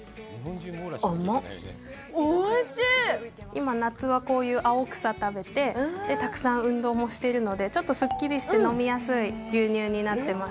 今、夏はこういう青草食べてたくさん運動もしてるのでちょっとすっきりして飲みやすい牛乳になってます。